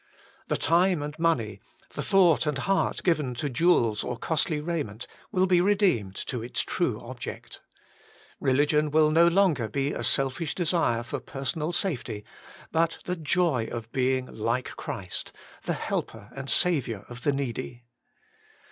The time and money, the thought and heart given to jewels or costly raiment will be redeemed to its true object., Rehgion will no longer be a selfish desire for personal safety, but the joy of being like Christ, the helper and saviour of the needy.